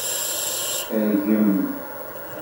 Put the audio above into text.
Rgem.